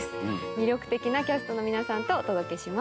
魅力的なキャストの皆さんとお届けします。